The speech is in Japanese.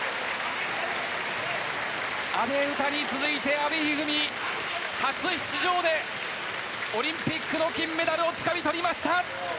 阿部詩に続いて、阿部一二三初出場でオリンピックの金メダルをつかみとりました。